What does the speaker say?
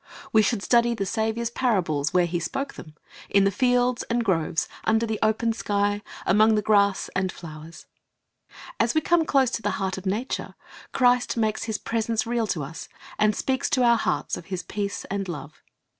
We should study the Saviour's parables where He spoke them, in the fields and groves, under the open sky, among the ^'He hai wisdom /or h ■who drives the pto w and sows the seed." grass and flowers. As we come close to the heart of nature, Christ makes His presence real to us, and speaks to our hearts of His peace and love.